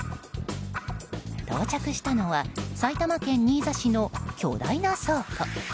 到着したのは埼玉県新座市の巨大な倉庫。